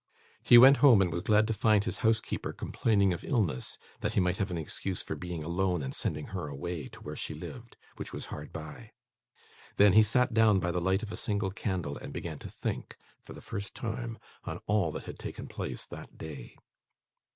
He went home, and was glad to find his housekeeper complaining of illness, that he might have an excuse for being alone and sending her away to where she lived: which was hard by. Then, he sat down by the light of a single candle, and began to think, for the first time, on all that had taken place that day.